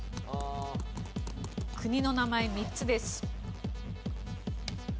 国の名前３つです。